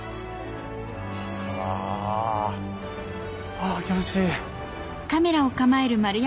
あぁ気持ちいい。